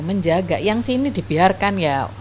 menjaga yang sini dibiarkan ya